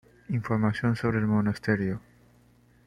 Información sobre el monasterio